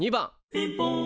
「ピンポン」